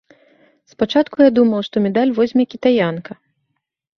Спачатку я думаў, што медаль возьме кітаянка.